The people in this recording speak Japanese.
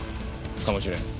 かもしれん。